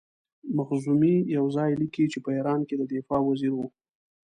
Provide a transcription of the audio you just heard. مخزومي یو ځای لیکي چې په ایران کې د دفاع وزیر وو.